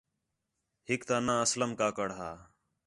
ہِک تا ناں اسلم کاکڑ ہا